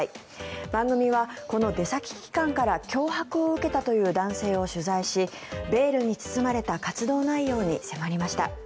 番組はこの出先機関から脅迫を受けたという男性を取材しベールに包まれた活動内容について迫りました。